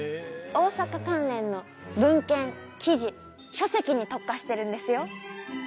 大阪関連の文献記事書籍に特化してるんですよ